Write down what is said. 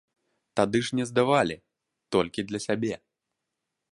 Тады ж не здавалі, толькі для сябе.